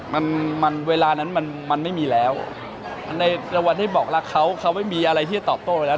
มันมันเวลานั้นมันมันไม่มีแล้วในรางวัลที่บอกรักเขาเขาไม่มีอะไรที่จะตอบโต้ไปแล้ว